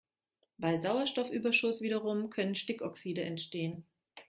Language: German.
Bei Sauerstoffüberschuss wiederum können Stickoxide entstehen.